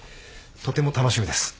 とても楽しみです。